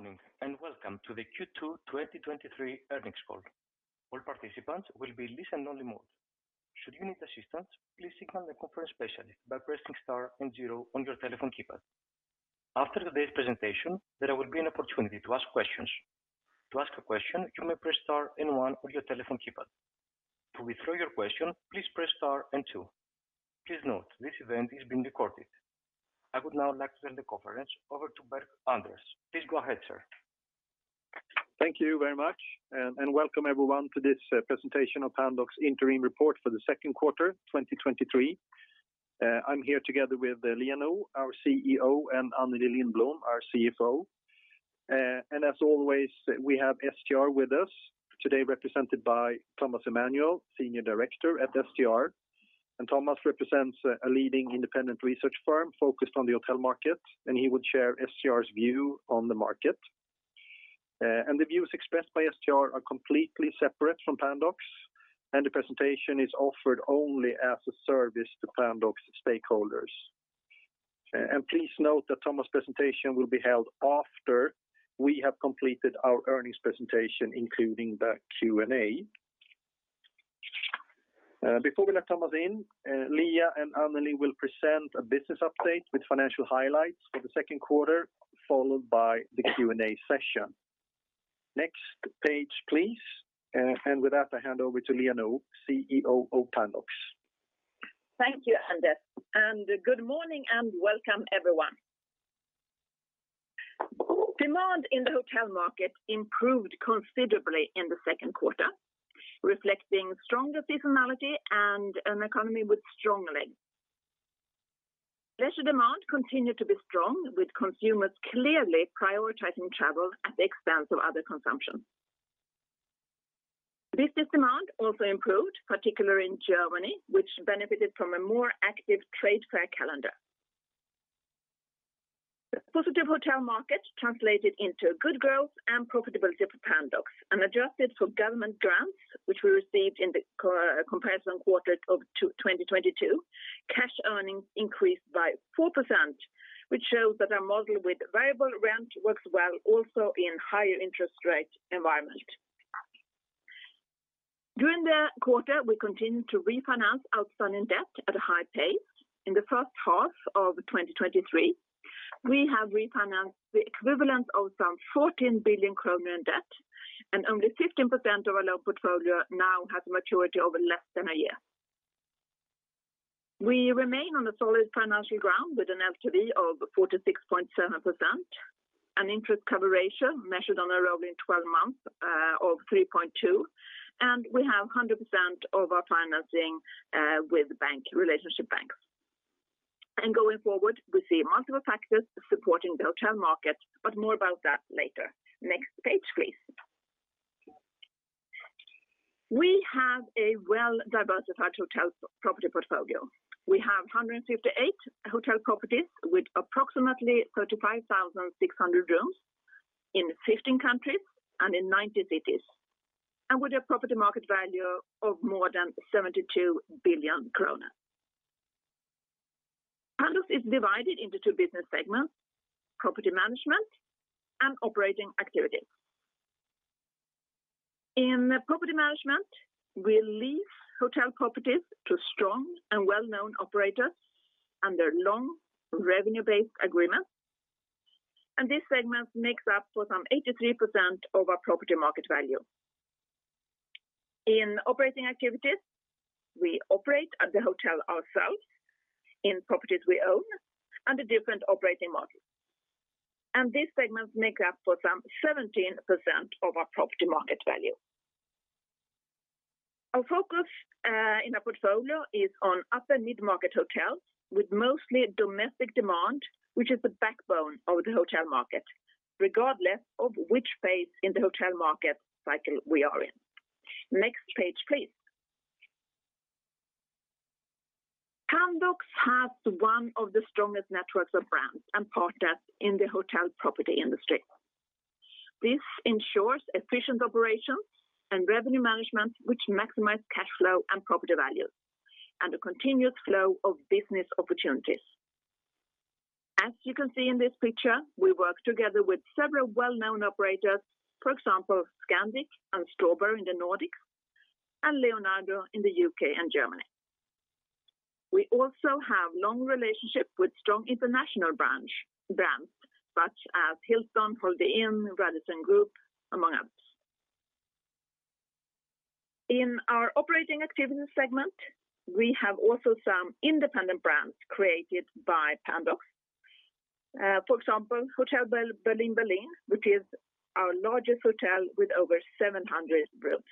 Good morning, welcome to the Q2 2023 earnings call. All participants will be in listen-only mode. Should you need assistance, please signal the conference specialist by pressing star and zero on your telephone keypad. After today's presentation, there will be an opportunity to ask questions. To ask a question, you may press star and one on your telephone keypad. To withdraw your question, please press star and two. Please note, this event is being recorded. I would now like to hand the conference over to Anders. Please go ahead, sir. Thank you very much, and welcome everyone to this presentation of Pandox interim report for the second quarter 2023. I'm here together with Liia Nõu, our CEO, and Anneli Lindblom, our CFO. As always, we have STR with us, today represented by Thomas Emanuel, Senior Director at STR. Thomas represents a leading independent research firm focused on the hotel market, and he would share STR's view on the market. The views expressed by STR are completely separate from Pandox, and the presentation is offered only as a service to Pandox stakeholders. Please note that Thomas' presentation will be held after we have completed our earnings presentation, including the Q&A. Before we let Thomas in, Liia and Anneli will present a business update with financial highlights for the second quarter, followed by the Q&A session. Next page, please. With that, I hand over to Liia Nõu, CEO of Pandox. Thank you, Anders. Good morning, and welcome everyone. Demand in the hotel market improved considerably in the second quarter, reflecting stronger seasonality and an economy with strong legs. Leisure demand continued to be strong, with consumers clearly prioritizing travel at the expense of other consumption. Business demand also improved, particularly in Germany, which benefited from a more active trade fair calendar. The positive hotel market translated into a good growth and profitability for Pandox, adjusted for government grants, which we received in the comparison quarter of 2022. Cash earnings increased by 4%, which shows that our model with variable rent works well also in higher interest rate environment. During the quarter, we continued to refinance outstanding debt at a high pace. In the first half of 2023, we have refinanced the equivalent of some 14 billion kronor in debt, only 15% of our loan portfolio now has maturity over less than a year. We remain on a solid financial ground with an LTV of 46.7%, an interest cover ratio measured on a rolling 12-month of 3.2, and we have 100% of our financing with relationship banks. Going forward, we see multiple factors supporting the hotel market, but more about that later. Next page, please. We have a well-diversified hotel property portfolio. We have 158 hotel properties, with approximately 35,600 rooms in 15 countries and in 90 cities, with a property market value of more than SEK 72 billion. Pandox is divided into two business segments: Property Management and Operator Activities. In Property Management, we lease hotel properties to strong and well-known operators under long revenue-based agreements. This segment makes up for some 83% of our property market value. In Operator Activities, we operate the hotel ourselves in properties we own under different operating models. This segment makes up for some 17% of our property market value. Our focus in our portfolio is on upper-mid-market hotels with mostly domestic demand, which is the backbone of the hotel market, regardless of which phase in the hotel market cycle we are in. Next page, please. Pandox has one of the strongest networks of brands and partners in the hotel property industry. This ensures efficient operations and revenue management, which maximize cash flow and property value. A continuous flow of business opportunities. You can see in this picture, we work together with several well-known operators, for example, Scandic and Strawberry in the Nordics, and Leonardo in the U.K. and Germany. We also have long relationship with strong international brands, such as Hilton, Holiday Inn, Radisson Group, among others. In our Operator Activities segment, we have also some independent brands created by Pandox. For example, Hotel Berlin, which is our largest hotel with over 700 rooms.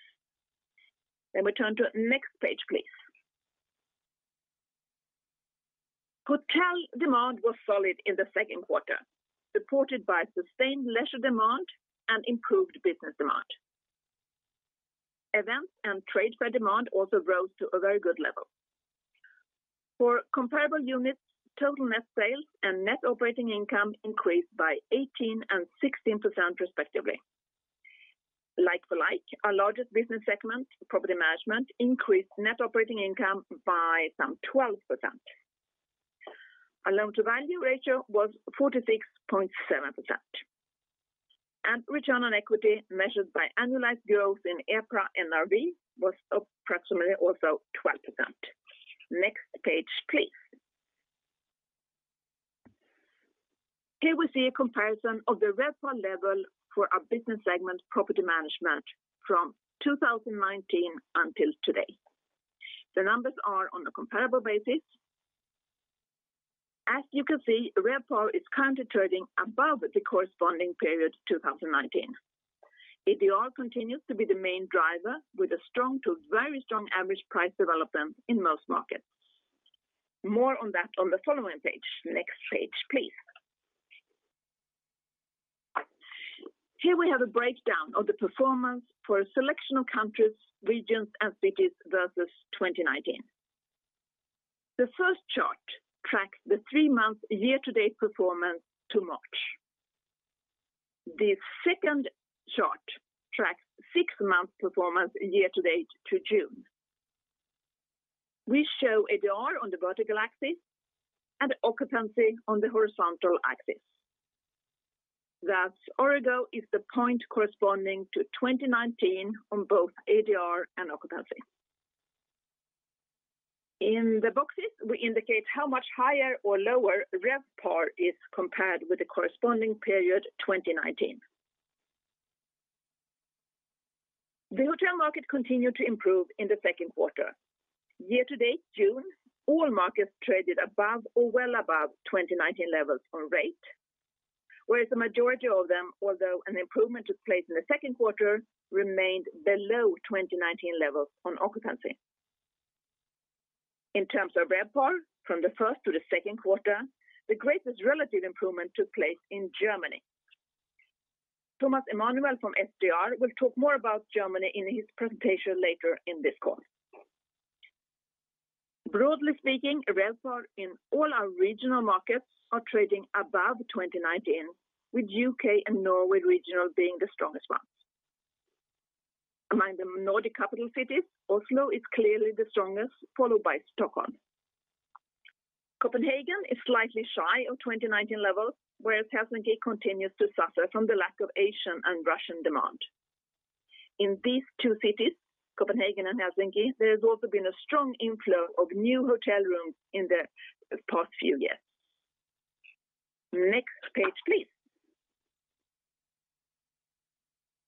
We turn to next page, please. Hotel demand was solid in the second quarter, supported by sustained leisure demand and improved business demand. Events and trade fair demand also rose to a very good level. For comparable units, total net sales and net operating income increased by 18% and 16% respectively. Like for like, our largest business segment, Property Management, increased net operating income by some 12%. Our loan-to-value ratio was 46.7%, and return on equity measured by annualized growth in EPRA NRV was approximately also 12%. Next page, please. Here we see a comparison of the RevPAR level for our business segment, Property Management, from 2019 until today. The numbers are on a comparable basis. As you can see, RevPAR is currently trading above the corresponding period, 2019. ADR continues to be the main driver, with a strong to very strong average price development in most markets. More on that on the following page. Next page, please. Here we have a breakdown of the performance for a selection of countries, regions, and cities versus 2019. The first chart tracks the three-months year-to-date performance to March. The second chart tracks six-month performance year-to-date to June. We show ADR on the vertical axis and occupancy on the horizontal axis. Thus, origin is the point corresponding to 2019 on both ADR and occupancy. In the boxes, we indicate how much higher or lower RevPAR is compared with the corresponding period, 2019. The hotel market continued to improve in the 2nd quarter. Year-to-date, June, all markets traded above or well above 2019 levels on rate, whereas the majority of them, although an improvement took place in the 2nd quarter, remained below 2019 levels on occupancy. In terms of RevPAR, from the first to the second quarter, the greatest relative improvement took place in Germany. Thomas Emanuel from STR will talk more about Germany in his presentation later in this call. Broadly speaking, RevPAR in all our regional markets are trading above 2019, with U.K. and Norway regional being the strongest ones. Among the Nordic capital cities, Oslo is clearly the strongest, followed by Stockholm. Copenhagen is slightly shy of 2019 levels, whereas Helsinki continues to suffer from the lack of Asian and Russian demand. In these two cities, Copenhagen and Helsinki, there has also been a strong inflow of new hotel rooms in the past few years. Next page, please.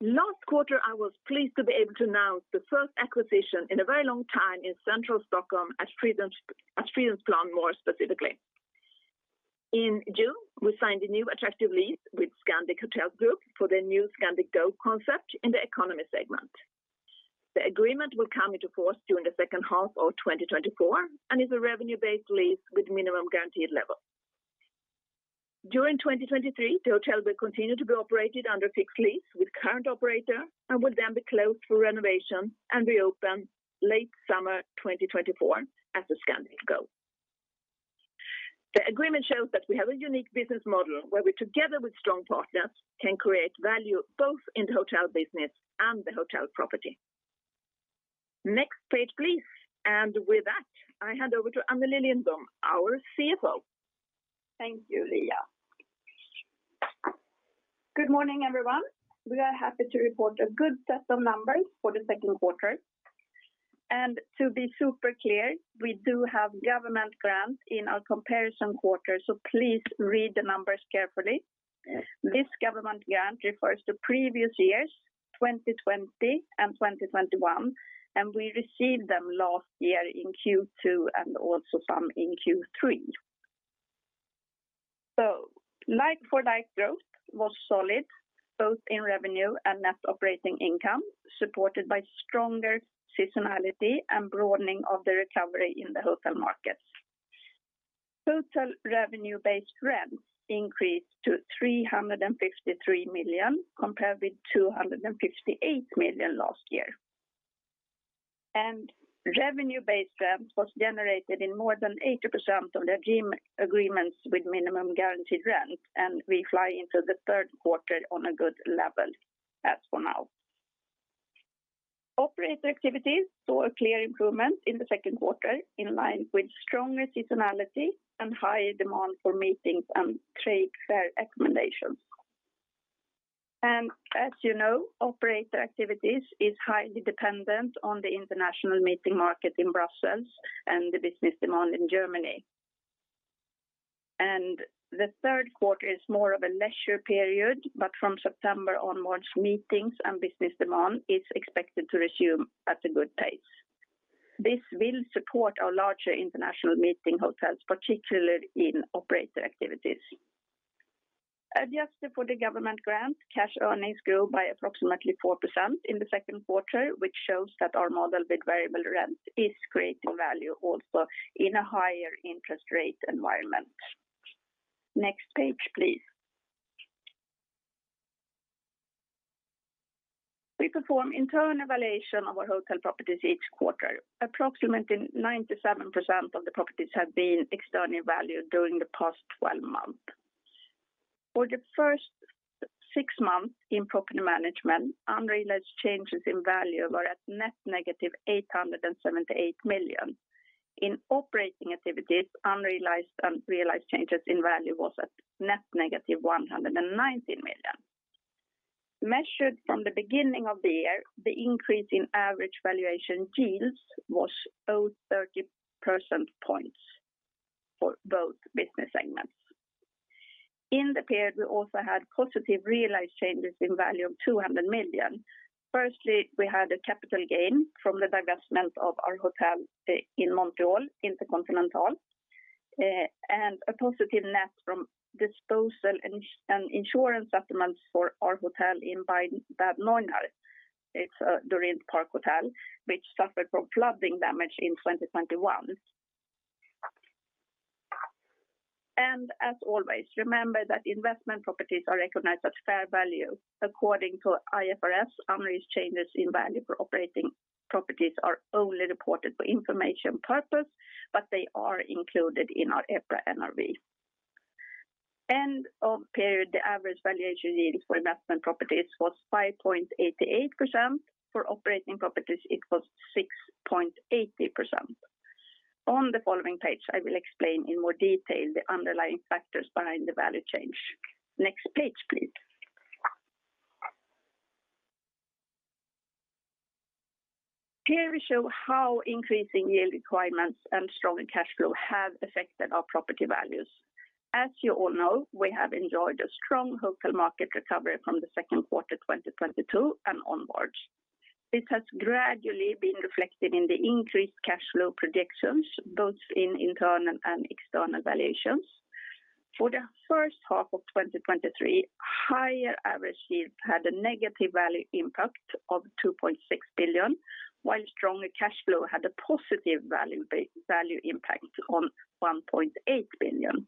Last quarter, I was pleased to be able to announce the first acquisition in a very long time in central Stockholm at Fridhemsplan, more specifically. In June, we signed a new attractive lease with Scandic Hotels Group for their new Scandic Go concept in the economy segment. The agreement will come into force during the second half of 2024 and is a revenue-based lease with minimum guaranteed level. During 2023, the hotel will continue to be operated under fixed lease with current operator and will then be closed for renovation and reopen late summer 2024 as a Scandic Go. The agreement shows that we have a unique business model, where we, together with strong partners, can create value both in the hotel business and the hotel property. Next page, please. With that, I hand over to Anneli Lindblom, our CFO. Thank you, Liia. Good morning, everyone. We are happy to report a good set of numbers for the second quarter. To be super clear, we do have government grants in our comparison quarter. Please read the numbers carefully. This government grant refers to previous years, 2020 and 2021. We received them last year in Q2 and also some in Q3. Like-for-like growth was solid, both in revenue and net operating income, supported by stronger seasonality and broadening of the recovery in the hotel markets. Total revenue-based rent increased to 353 million, compared with 258 million last year. Revenue-based rent was generated in more than 80% of the agreement with minimum guaranteed rent. We fly into the third quarter on a good level as for now. Operator activities saw a clear improvement in the second quarter, in line with stronger seasonality and higher demand for meetings and trade fair accommodation. As you know, Operator Activities is highly dependent on the international meeting market in Brussels and the business demand in Germany. The third quarter is more of a leisure period, but from September onwards, meetings and business demand is expected to resume at a good pace. This will support our larger international meeting hotels, particularly in Operator Activities. Adjusted for the government grant, cash earnings grew by approximately 4% in the second quarter, which shows that our model with variable rent is creating value also in a higher interest rate environment. Next page, please. We perform internal evaluation of our hotel properties each quarter. Approximately 97% of the properties have been externally valued during the past 12 months.... For the first six months in Property Management, unrealized changes in value were at net negative 878 million. In Operator Activities, unrealized and realized changes in value was at net negative 190 million. Measured from the beginning of the year, the increase in average valuation yields was 0.30 percentage points for both business segments. In the period, we also had positive realized changes in value of 200 million. Firstly, we had a capital gain from the divestment of our hotel in Montreal, InterContinental, and a positive net from disposal and insurance settlements for our hotel in Bad Neuenahr. It's Dorint Parkhotel, which suffered from flooding damage in 2021. As always, remember that investment properties are recognized at fair value according to IFRS. Unrealized changes in value for operating properties are only reported for information purpose, but they are included in our EPRA NRV. End of period, the average valuation yields for investment properties was 5.88%. For operating properties, it was 6.80%. On the following page, I will explain in more detail the underlying factors behind the value change. Next page, please. Here we show how increasing yield requirements and stronger cash flow have affected our property values. As you all know, we have enjoyed a strong hotel market recovery from the second quarter 2022 and onwards. This has gradually been reflected in the increased cash flow projections, both in internal and external valuations. For the first half of 2023, higher average yields had a negative value impact of 2.6 billion, while stronger cash flow had a positive value impact on 1.8 billion.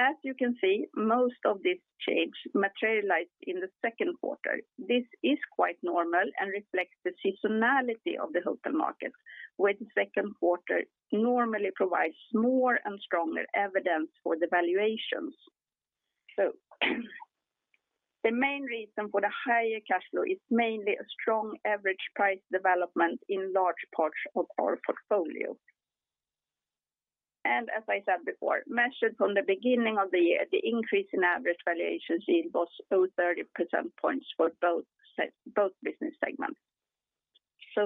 As you can see, most of this change materialized in the second quarter. This is quite normal and reflects the seasonality of the hotel market, where the second quarter normally provides more and stronger evidence for the valuations. The main reason for the higher cash flow is mainly a strong average price development in large parts of our portfolio. As I said before, measured from the beginning of the year, the increase in average valuation yield was 30 percentage points for both business segments.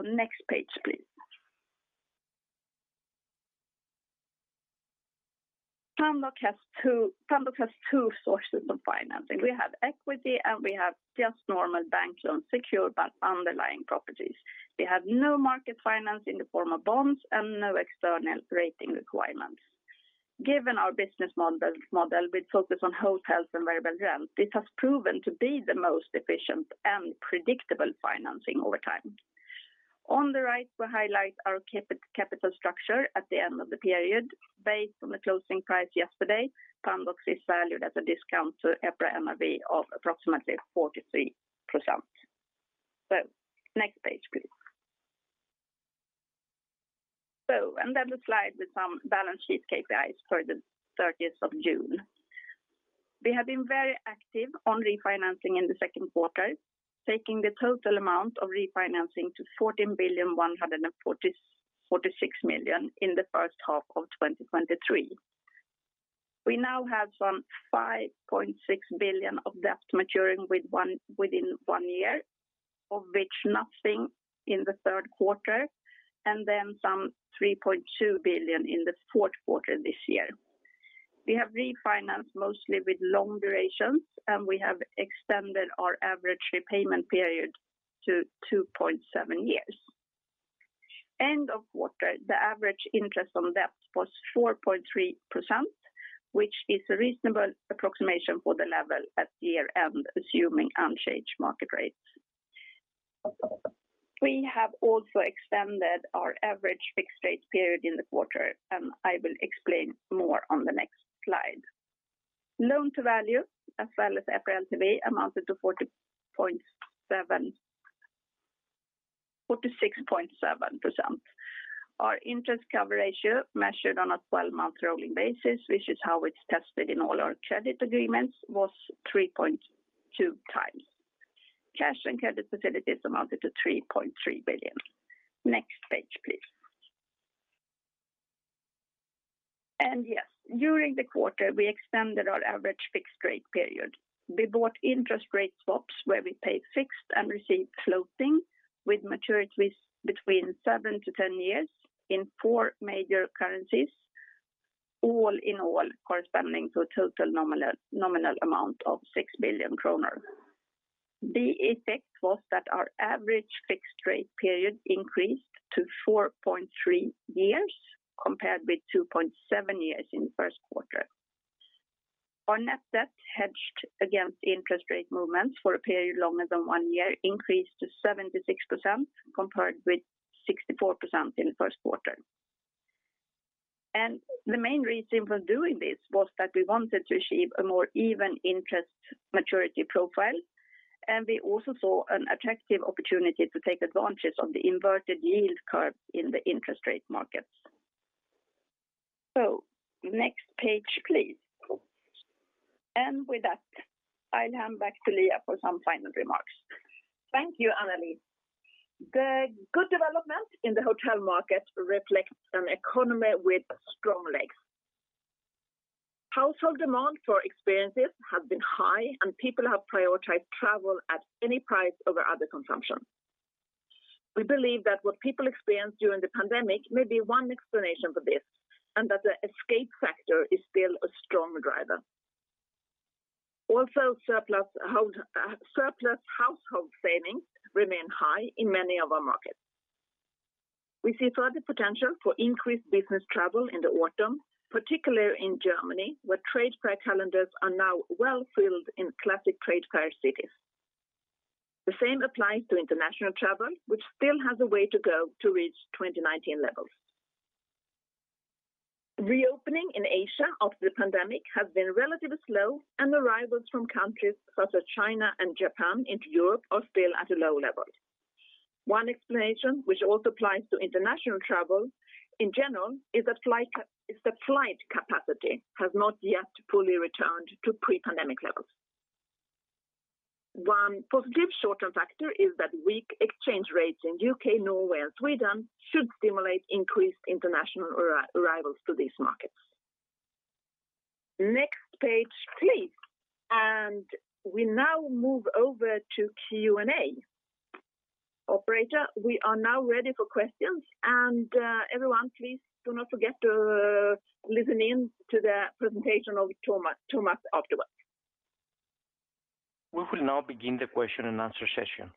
Next page, please. Pandox has two sources of financing. We have equity, and we have just normal bank loans, secured by underlying properties. We have no market finance in the form of bonds and no external rating requirements. Given our business model, which focus on hotels and variable rent, this has proven to be the most efficient and predictable financing over time. On the right, we highlight our capital structure at the end of the period. Based on the closing price yesterday, Pandox is valued at a discount to EPRA NRV of approximately 43%. Next page, please. The slide with some balance sheet KPIs for the 30th of June. We have been very active on refinancing in the second quarter, taking the total amount of refinancing to 14,146 million in the first half of 2023. We now have some 5.6 billion of debt maturing within one year, of which nothing in the third quarter, and then some 3.2 billion in the fourth quarter this year. We have refinanced mostly with long durations. We have extended our average repayment period to 2.7 years. End of quarter, the average interest on debt was 4.3%, which is a reasonable approximation for the level at year-end, assuming unchanged market rates. We have also extended our average fixed rate period in the quarter. I will explain more on the next slide. Loan-to-value, as well as EPRA NRV, amounted to 46.7%. Our interest cover ratio, measured on a 12-month rolling basis, which is how it's tested in all our credit agreements, was 3.2x. Cash and credit facilities amounted to 3.3 billion. Next page, please. Yes, during the quarter, we extended our average fixed rate period. We bought interest rate swaps, where we paid fixed and received floating, with maturities between seven-10 years in four major currencies, all in all, corresponding to a total nominal amount of 6 billion kronor. The effect was that our average fixed rate period increased to 4.3 years, compared with 2.7 years in the first quarter. Our net debt hedged against interest rate movements for a period longer than one year increased to 76%, compared with 64% in the first quarter. The main reason for doing this was that we wanted to achieve a more even interest maturity profile... We also saw an attractive opportunity to take advantage of the inverted yield curve in the interest rate markets. Next page, please. With that, I'll hand back to Liia for some final remarks. Thank you, Anneli. The good development in the hotel market reflects an economy with strong legs. Household demand for experiences has been high, and people have prioritized travel at any price over other consumption. We believe that what people experienced during the pandemic may be one explanation for this, and that the escape factor is still a strong driver. Also, surplus household savings remain high in many of our markets. We see further potential for increased business travel in the autumn, particularly in Germany, where trade fair calendars are now well filled in classic trade fair cities. The same applies to international travel, which still has a way to go to reach 2019 levels. Reopening in Asia after the pandemic has been relatively slow, and arrivals from countries such as China and Japan into Europe are still at a low level. One explanation, which also applies to international travel in general, is that flight capacity has not yet fully returned to pre-pandemic levels. One positive short-term factor is that weak exchange rates in UK, Norway, and Sweden should stimulate increased international arrivals to these markets. Next page, please. We now move over to Q&A. Operator, we are now ready for questions. Everyone, please do not forget to listen in to the presentation of Thomas afterwards. We will now begin the question and answer session.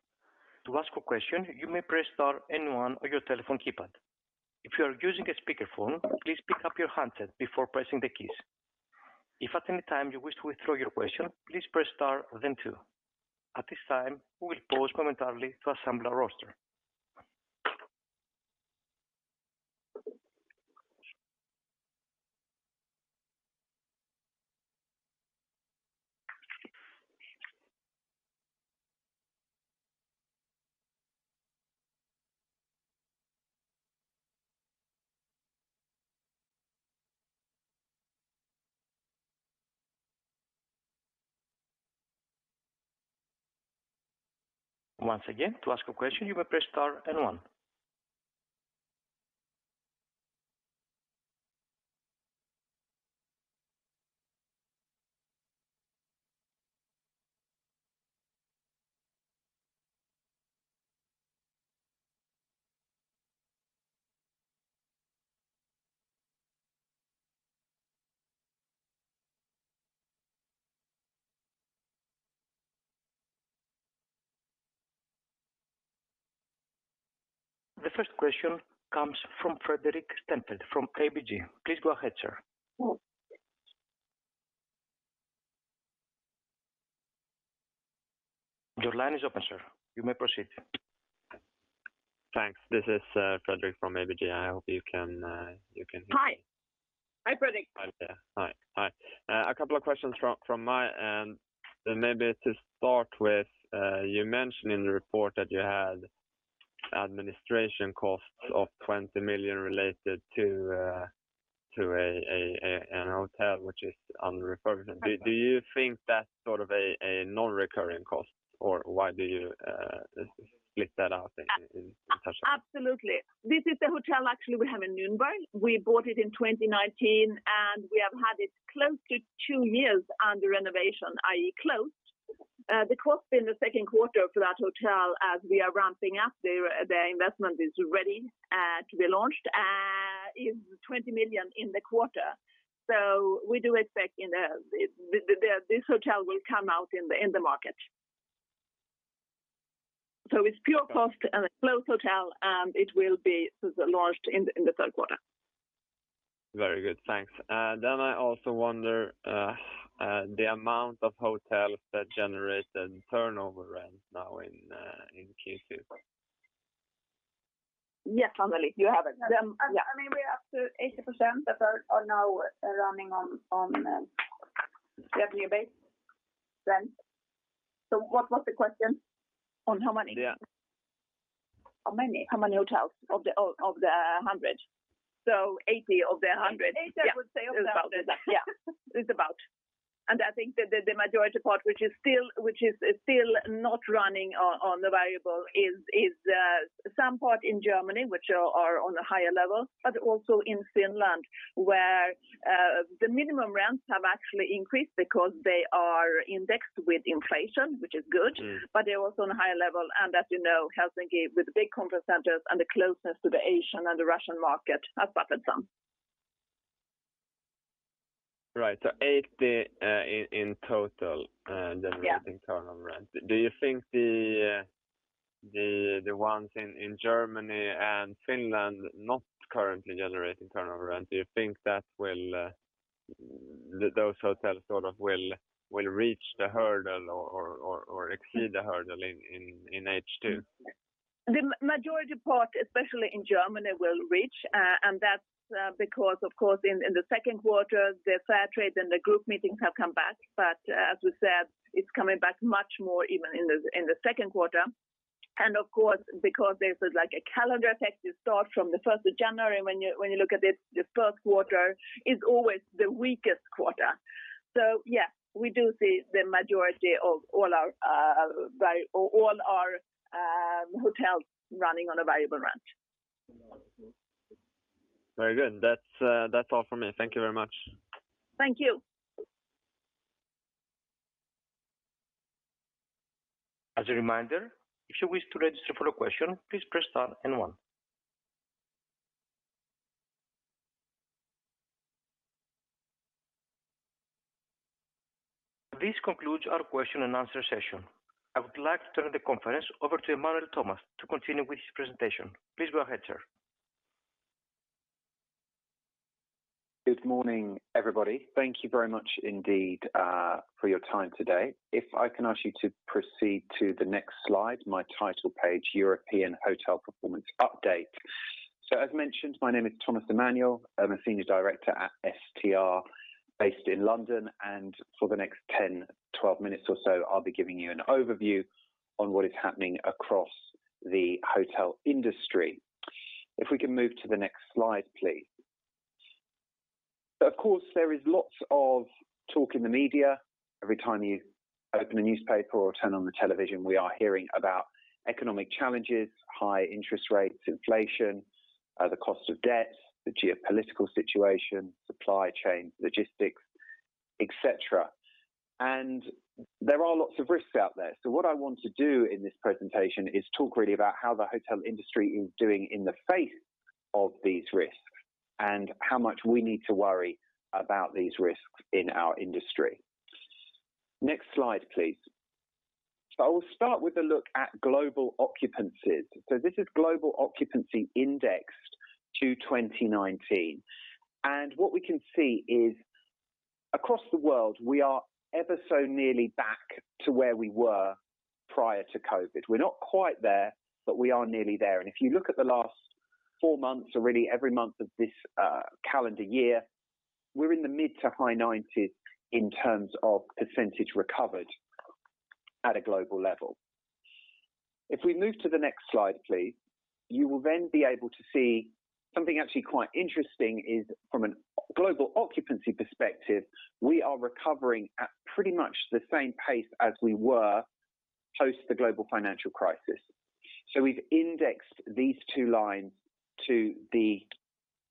To ask a question, you may press star and one on your telephone keypad. If you are using a speakerphone, please pick up your handset before pressing the keys. If at any time you wish to withdraw your question, please press star, then two. At this time, we will pause momentarily to assemble our roster. Once again, to ask a question, you may press star and one. The first question comes from Fredrik Stensved from ABG. Please go ahead, sir. Your line is open, sir. You may proceed. Thanks. This is Fredrik from ABG. I hope you can hear me. Hi. Hi, Fredrik. Hi there. A couple of questions from my end. Maybe to start with, you mentioned in the report that you had administration costs of 20 million related to an hotel, which is under refurbishment. Do you think that's sort of a non-recurring cost, or why do you split that out in cash? Absolutely. This is the hotel actually we have in Nuremberg. We bought it in 2019, and we have had it close to two years under renovation, i.e., closed. The cost in the second quarter for that hotel, as we are ramping up the investment is ready to be launched, is 20 million in the quarter. We do expect, you know, this hotel will come out in the market. It's pure cost and a closed hotel, and it will be launched in the third quarter. Very good, thanks. I also wonder, the amount of hotels that generated turnover rent now in Q2. Yes, Anneli, do you have it? Yeah. I mean, we're up to 80% that are now running on revenue base then. What was the question? On how many? Yeah. How many? How many hotels of the 100? So eighty of the hundred. 80, I would say of the 100. Yeah, it's about. I think the majority part, which is still not running on the variable, is some part in Germany, which are on a higher level, but also in Finland, where the minimum rents have actually increased because they are indexed with inflation, which is good. They're also on a higher level, and as you know, Helsinki, with the big conference centers and the closeness to the Asian and the Russian market, has suffered some. Right. 80, in total generating turnover rent. Do you think the ones in Germany and Finland not currently generating turnover rent, do you think that will, those hotels sort of will reach the hurdle or exceed the hurdle in H2? The majority part, especially in Germany, will reach, and that's because, of course, in the second quarter, the fair trades and the group meetings have come back. As we said, it's coming back much more even in the second quarter. Of course, because there's like a calendar effect, you start from the 1st of January when you look at it, the first quarter is always the weakest quarter. Yes, we do see the majority of all our hotels running on a variable rent. Very good. That's, that's all from me. Thank you very much. Thank you. As a reminder, if you wish to register for a question, please press star 1. This concludes our question and answer session. I would like to turn the conference over to Emmanuel Thomas, to continue with his presentation. Please go ahead, sir. Good morning, everybody. Thank you very much indeed for your time today. If I can ask you to proceed to the next slide, my title page, European Hotel Performance Update. As mentioned, my name is Thomas Emanuel. I'm a Senior Director at STR, based in London, and for the next 10, 12 minutes or so, I'll be giving you an overview on what is happening across the hotel industry. If we can move to the next slide, please. Of course, there is lots of talk in the media. Every time you open a newspaper or turn on the television, we are hearing about economic challenges, high interest rates, inflation, the cost of debt, the geopolitical situation, supply chain, logistics, et cetera. There are lots of risks out there. What I want to do in this presentation is talk really about how the hotel industry is doing in the face of these risks, and how much we need to worry about these risks in our industry. Next slide, please. I will start with a look at global occupancies. This is global occupancy indexed to 2019, and what we can see is across the world, we are ever so nearly back to where we were prior to COVID. We're not quite there, but we are nearly there. If you look at the last four months or really every month of this calendar year, we're in the mid to high 90s in terms of percentage recovered at a global level. If we move to the next slide, please, you will then be able to see something actually quite interesting is from a global occupancy perspective, we are recovering at pretty much the same pace as we were post the global financial crisis. We've indexed these two lines to the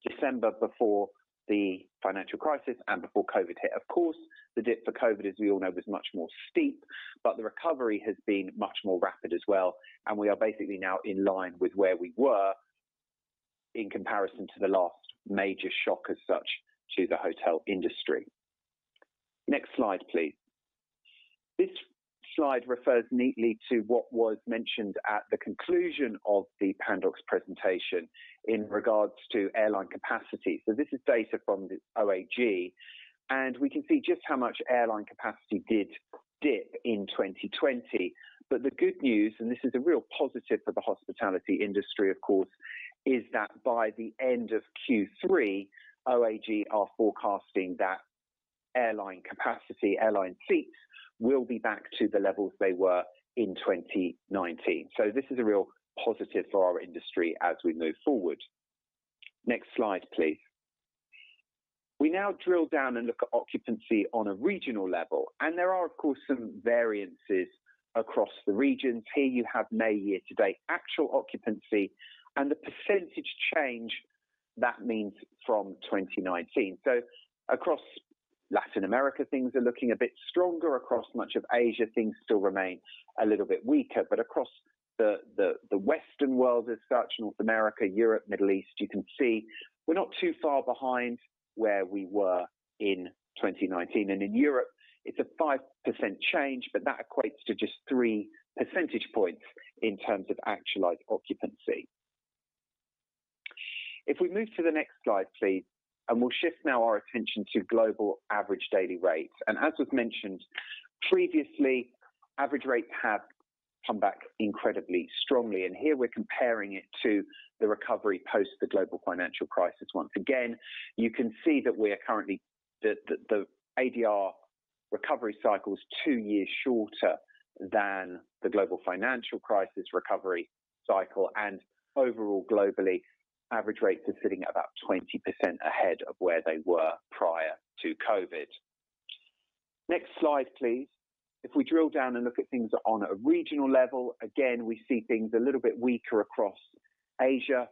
December before the financial crisis and before COVID hit. Of course, the dip for COVID, as we all know, was much more steep, but the recovery has been much more rapid as well, and we are basically now in line with where we were in comparison to the last major shock as such to the hotel industry. Next slide, please. This slide refers neatly to what was mentioned at the conclusion of the Pandox presentation in regards to airline capacity. This is data from the OAG, and we can see just how much airline capacity did dip in 2020. The good news, and this is a real positive for the hospitality industry, of course, is that by the end of Q3, OAG are forecasting that airline capacity, airline seats, will be back to the levels they were in 2019. This is a real positive for our industry as we move forward. Next slide, please. We now drill down and look at occupancy on a regional level, and there are, of course, some variances across the regions. Here you have May year-to-date, actual occupancy and the percentage change that means from 2019. Across Latin America, things are looking a bit stronger. Across much of Asia, things still remain a little bit weaker. Across the, the Western world as such, North America, Europe, Middle East, you can see we're not too far behind where we were in 2019. In Europe, it's a 5% change, but that equates to just three percentage points in terms of actualized occupancy. If we move to the next slide, please, and we'll shift now our attention to global average daily rates. As was mentioned previously, average rates have come back incredibly strongly, and here we're comparing it to the recovery post the global financial crisis. Once again, you can see that we are currently. The ADR recovery cycle is two years shorter than the global financial crisis recovery cycle, and overall, globally, average rates are sitting at about 20% ahead of where they were prior to COVID. Next slide, please. If we drill down and look at things on a regional level, again, we see things a little bit weaker across Asia,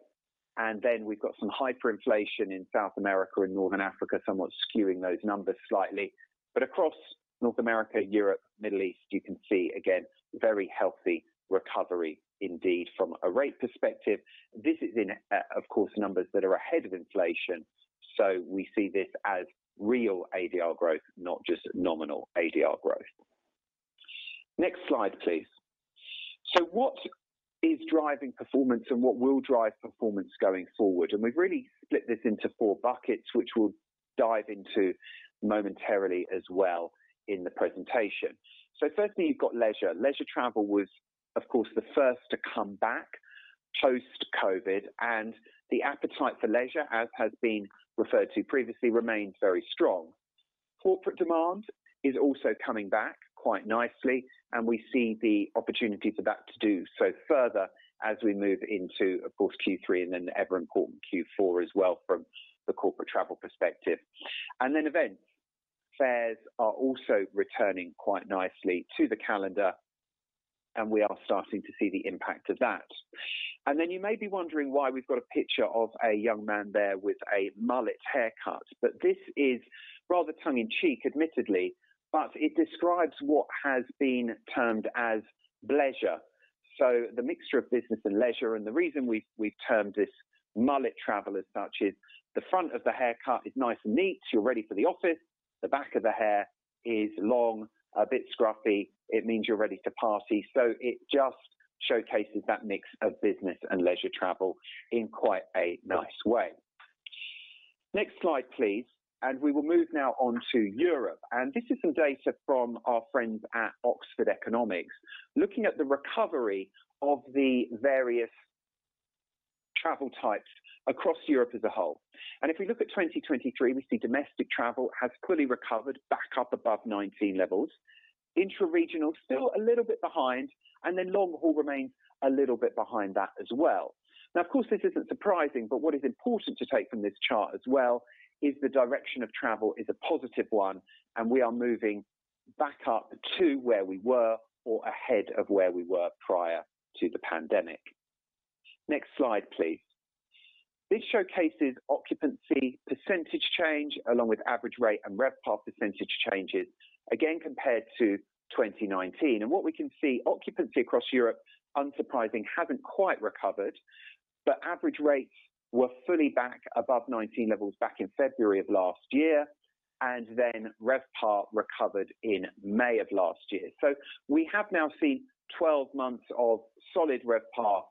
and then we've got some hyperinflation in South America and Northern Africa, somewhat skewing those numbers slightly. Across North America, Europe, Middle East, you can see again, very healthy recovery indeed from a rate perspective. This is in, of course, numbers that are ahead of inflation, we see this as real ADR growth, not just nominal ADR growth. Next slide, please. What is driving performance and what will drive performance going forward? We've really split this into four buckets, which we'll dive into momentarily as well in the presentation. Firstly, you've got leisure. Leisure travel was, of course, the first to come back post-COVID, and the appetite for leisure, as has been referred to previously, remains very strong. Corporate demand is also coming back quite nicely, and we see the opportunity for that to do so further as we move into, of course, Q3 and then the ever-important Q4 as well from the corporate travel perspective. Event fares are also returning quite nicely to the calendar, and we are starting to see the impact of that. You may be wondering why we've got a picture of a young man there with a mullet haircut, but this is rather tongue-in-cheek, admittedly, but it describes what has been termed as bleisure. The mixture of business and leisure, and the reason we've termed this mullet travel as such, is the front of the haircut is nice and neat. You're ready for the office. The back of the hair is long, a bit scruffy. It means you're ready to party, it just showcases that mix of business and leisure travel in quite a nice way. Next slide, please. We will move now on to Europe. This is some data from our friends at Oxford Economics, looking at the recovery of the various travel types across Europe as a whole. If we look at 2023, we see domestic travel has fully recovered back up above 2019 levels. Intraregional, still a little bit behind, long-haul remains a little bit behind that as well. Of course, this isn't surprising, what is important to take from this chart as well, is the direction of travel is a positive one, we are moving back up to where we were or ahead of where we were prior to the pandemic. Next slide, please. This showcases occupancy percentage change, along with average rate and RevPAR percentage changes, again, compared to 2019. What we can see, occupancy across Europe, unsurprising, haven't quite recovered, but average rates were fully back above 2019 levels back in February of last year, and then RevPAR recovered in May of last year. We have now seen 12 months of solid RevPAR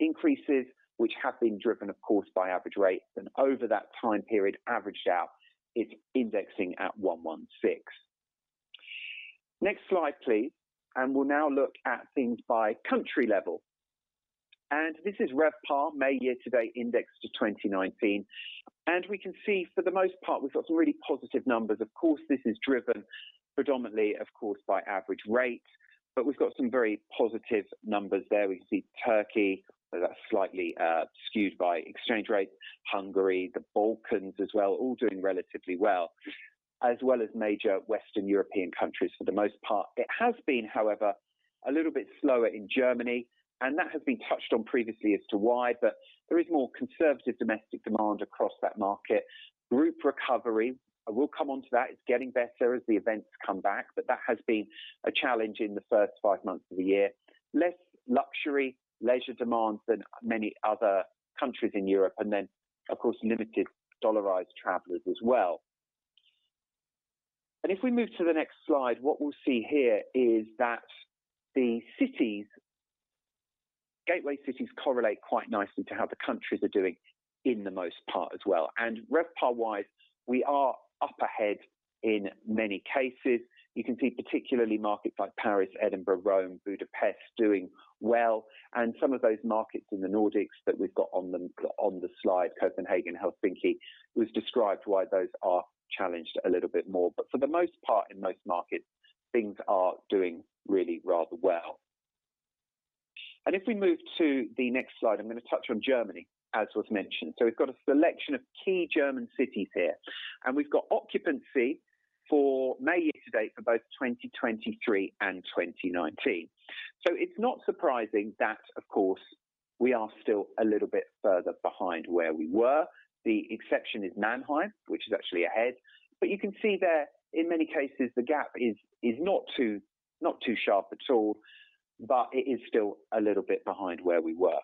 increases, which have been driven, of course, by average rates, and over that time period, averaged out, it's indexing at 116. Next slide, please. We'll now look at things by country level. This is RevPAR May year-to-date indexed to 2019, and we can see for the most part, we've got some really positive numbers. Of course, this is driven predominantly, of course, by average rate, but we've got some very positive numbers there. We see Turkey, but that's slightly skewed by exchange rates, Hungary, the Balkans as well, all doing relatively well, as well as major Western European countries for the most part. It has been, however, a little bit slower in Germany, and that has been touched on previously as to why, but there is more conservative domestic demand across that market. Group recovery, I will come on to that. It's getting better as the events come back, but that has been a challenge in the first five months of the year. Less luxury, leisure demand than many other countries in Europe and then, of course, limited dollarized travelers as well. If we move to the next slide, what we'll see here is that the gateway cities correlate quite nicely to how the countries are doing in the most part as well. RevPAR-wise, we are up ahead in many cases. You can see particularly markets like Paris, Edinburgh, Rome, Budapest, doing well, and some of those markets in the Nordics that we've got on the, on the slide, Copenhagen, Helsinki, was described why those are challenged a little bit more. For the most part, in most markets, things are doing really rather well. If we move to the next slide, I'm going to touch on Germany, as was mentioned. We've got a selection of key German cities here, and we've got occupancy for May year-to-date for both 2023 and 2019. It's not surprising that, of course, we are still a little bit further behind where we were. The exception is Mannheim, which is actually ahead. You can see there in many cases, the gap is not too sharp at all. It is still a little bit behind where we were.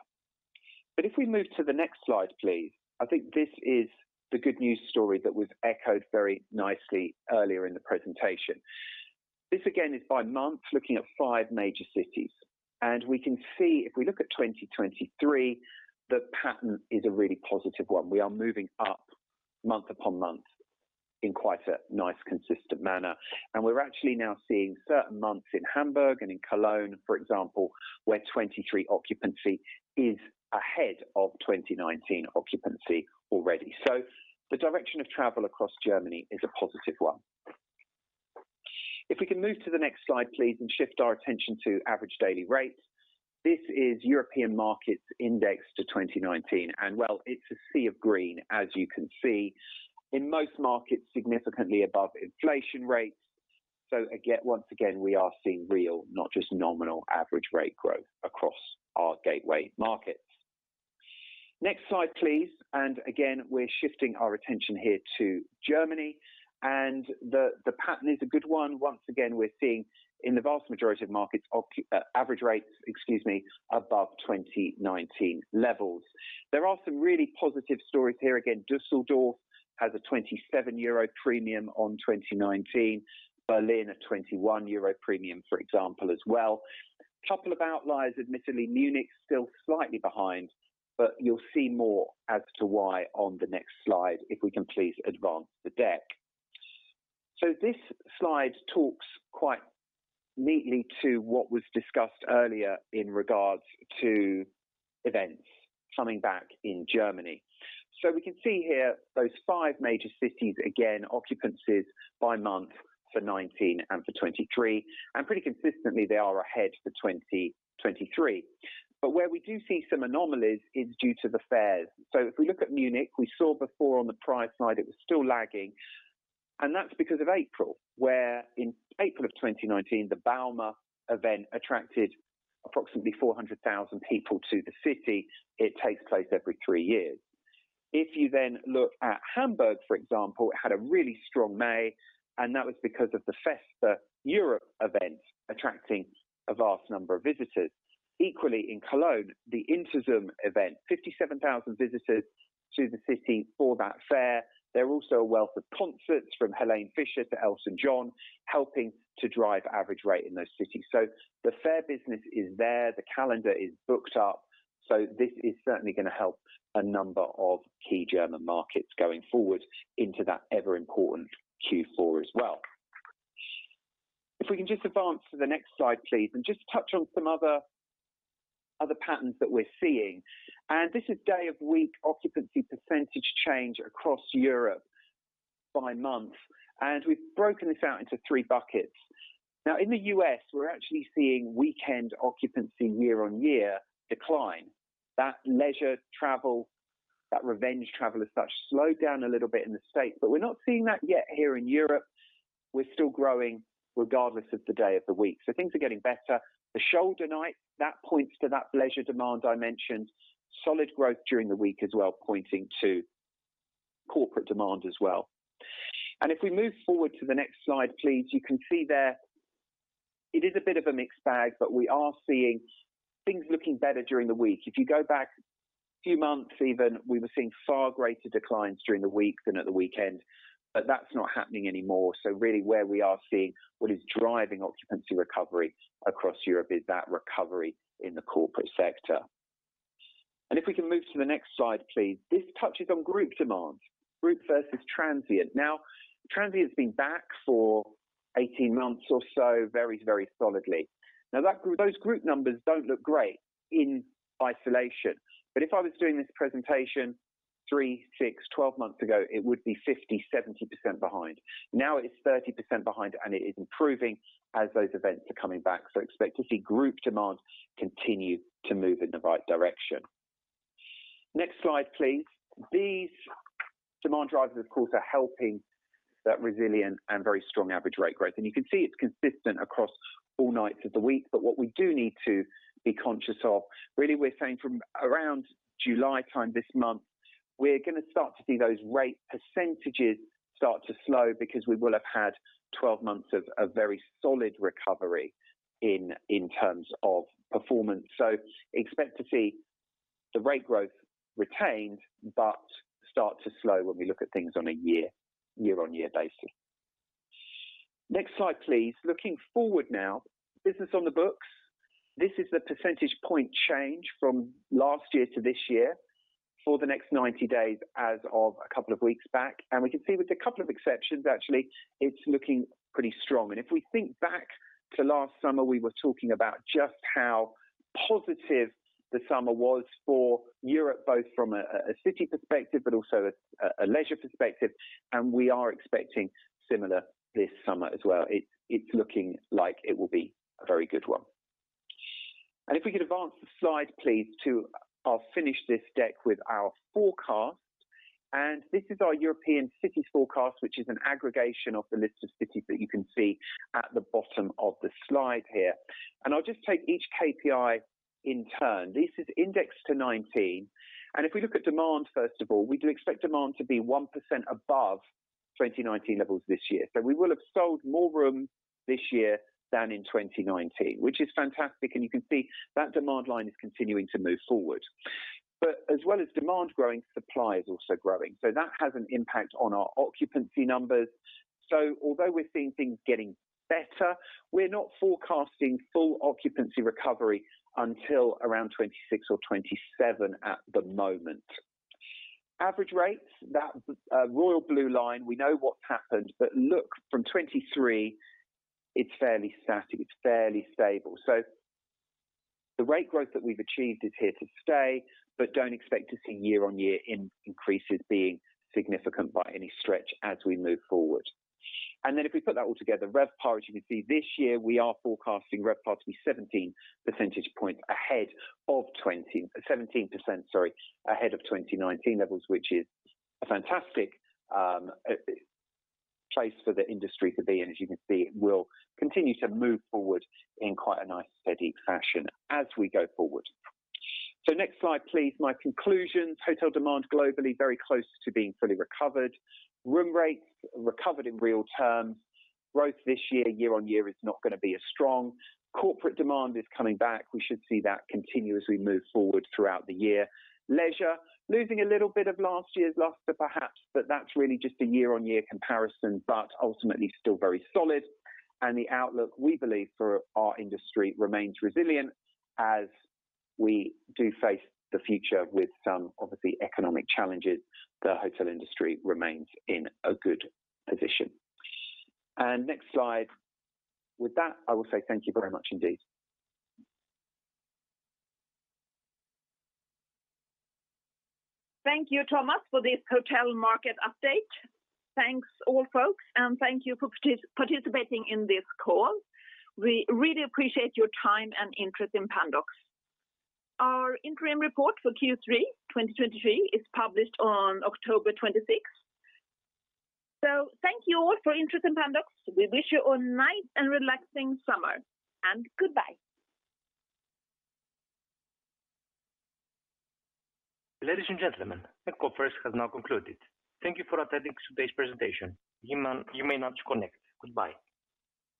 If we move to the next slide, please. I think this is the good news story that was echoed very nicely earlier in the presentation. This, again, is by month, looking at five major cities. We can see if we look at 2023, the pattern is a really positive one. We are moving up month upon month in quite a nice, consistent manner. We're actually now seeing certain months in Hamburg and in Cologne, for example, where 2023 occupancy is ahead of 2019 occupancy already. The direction of travel across Germany is a positive one. If we can move to the next slide, please, and shift our attention to average daily rates. Well, it's a sea of green, as you can see, in most markets, significantly above inflation rates. Once again, we are seeing real, not just nominal, average rate growth across our gateway markets. Next slide, please. Again, we're shifting our attention here to Germany, and the pattern is a good one. Once again, we're seeing in the vast majority of markets, average rates, excuse me, above 2019 levels. There are some really positive stories here again. Düsseldorf has a 27 euro premium on 2019, Berlin, a 21 euro premium, for example, as well.couple of outliers, admittedly, Munich still slightly behind. You'll see more as to why on the next slide, if we can please advance the deck. This slide talks quite neatly to what was discussed earlier in regards to events coming back in Germany. We can see here those five major cities, again, occupancies by month for 2019 and for 2023. Pretty consistently they are ahead for 2023. Where we do see some anomalies is due to the fairs. If we look at Munich, we saw before on the price side, it was still lagging, and that's because of April, where in April of 2019, the Bauma event attracted approximately 400,000 people to the city. It takes place every three years. You then look at Hamburg, for example, it had a really strong May, and that was because of the festa Europe event attracting a vast number of visitors. Equally, in Cologne, the interzum event, 57,000 visitors to the city for that fair. There are also a wealth of concerts from Helene Fischer to Elton John, helping to drive average rate in those cities. The fair business is there, the calendar is booked up, so this is certainly gonna help a number of key German markets going forward into that ever important Q4 as well. We can just advance to the next slide, please, and just touch on some other patterns that we're seeing. This is day of week occupancy percentage change across Europe by month, and we've broken this out into three buckets. Now, in the U.S., we're actually seeing weekend occupancy year-on-year decline. That leisure travel, that revenge travel as such, slowed down a little bit in the States. We're not seeing that yet here in Europe. We're still growing regardless of the day of the week. Things are getting better. The shoulder night, that points to that leisure demand I mentioned. Solid growth during the week as well, pointing to corporate demand as well. If we move forward to the next slide, please, you can see there it is a bit of a mixed bag. We are seeing things looking better during the week. If you go back a few months, even, we were seeing far greater declines during the week than at the weekend. That's not happening anymore. Really, where we are seeing what is driving occupancy recovery across Europe is that recovery in the corporate sector. If we can move to the next slide, please. This touches on group demand, group versus transient. Transient's been back for 18 months or so, varies very solidly. Those group numbers don't look great in isolation, but if I was doing this presentation three, six, 12 months ago, it would be 50%, 70% behind. It's 30% behind, and it is improving as those events are coming back. Expect to see group demand continue to move in the right direction. Next slide, please. These demand drivers, of course, are helping that resilient and very strong average rate growth. You can see it's consistent across all nights of the week. What we do need to be conscious of, really, we're saying from around July time this month, we're gonna start to see those rate % start to slow because we will have had 12 months of very solid recovery in terms of performance. Expect to see the rate growth retained, but start to slow when we look at things on a year-on-year basis. Next slide, please. Looking forward now, business on the books. This is the percentage point change from last year to this year for the next 90 days as of a couple of weeks back, and we can see with a couple of exceptions, actually, it's looking pretty strong. If we think back to last summer, we were talking about just how positive the summer was for Europe, both from a city perspective, but also a leisure perspective, and we are expecting similar this summer as well. It's looking like it will be a very good one. If we could advance the slide, please. I'll finish this deck with our forecast. This is our European cities forecast, which is an aggregation of the list of cities that you can see at the bottom of the slide here. I'll just take each KPI in turn. This is indexed to 2019, and if we look at demand, first of all, we do expect demand to be 1% above 2019 levels this year. We will have sold more rooms this year than in 2019, which is fantastic, and you can see that demand line is continuing to move forward. As well as demand growing, supply is also growing, so that has an impact on our occupancy numbers. Although we're seeing things getting better, we're not forecasting full occupancy recovery until around 2026 or 2027 at the moment. Average rates, that royal blue line, we know what's happened, but look, from 2023, it's fairly static, it's fairly stable. The rate growth that we've achieved is here to stay, but don't expect to see year-on-year in increases being significant by any stretch as we move forward. If we put that all together, RevPAR, as you can see this year, we are forecasting RevPAR to be seventeen percentage points ahead of 17% ahead of 2019 levels, which is a fantastic place for the industry to be, and as you can see, it will continue to move forward in quite a nice, steady fashion as we go forward. Next slide, please. My conclusions. Hotel demand globally, very close to being fully recovered. Room rates recovered in real terms. Growth this year-on-year, is not gonna be as strong. Corporate demand is coming back. We should see that continue as we move forward throughout the year. Leisure, losing a little bit of last year's luster, perhaps, but that's really just a year-on-year comparison, but ultimately still very solid. The outlook, we believe, for our industry remains resilient as we do face the future with some, obviously, economic challenges. The hotel industry remains in a good position. Next slide. With that, I will say thank you very much indeed. Thank you, Thomas, for this hotel market update. Thanks, all folks, thank you for participating in this call. We really appreciate your time and interest in Pandox. Our interim report for Q3 2023 is published on October 26th. Thank you all for your interest in Pandox. We wish you all a nice and relaxing summer, goodbye. Ladies and gentlemen, the conference has now concluded. Thank you for attending today's presentation. You may now disconnect. Goodbye.